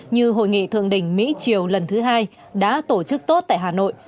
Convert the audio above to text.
như hội nghị thượng đỉnh mỹ triều lần thứ hai đã tổ chức tốt tại hà nội